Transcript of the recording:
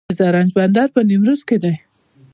د زرنج بندر په نیمروز کې دی